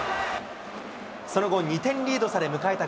その後、２点リードされ迎えた